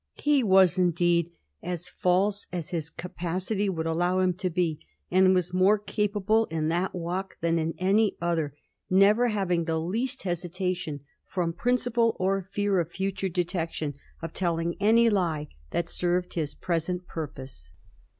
He was indeed as false as his capacity would allow him to be, and was more capa ble in that walk than in any other, never having the least hesitation, from principle or fear of future detection, of telling any lie that served his present purpose.